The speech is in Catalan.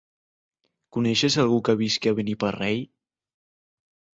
Coneixes algú que visqui a Beniparrell?